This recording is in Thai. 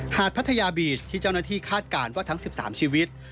หาดพัทยาบีชที่เจ้าหน้าที่คาดการณ์ว่าทั้ง๑๓ชีวิต